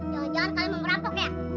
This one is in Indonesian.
jangan jangan kami mau merampok ya